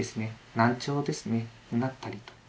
難聴ですねなったりとか。